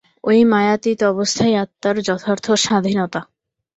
ঐ মায়াতীত অবস্থাই আত্মার যথার্থ স্বাধীনতা।